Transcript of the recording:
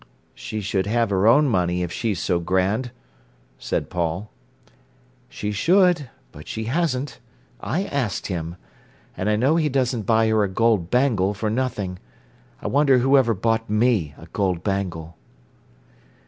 "She should have her own money if she's so grand," said Paul. "She should, but she hasn't. I asked him. And I know he doesn't buy her a gold bangle for nothing. I wonder whoever bought me a gold bangle."